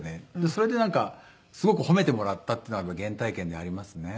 それでなんかすごく褒めてもらったっていうのは原体験でありますね。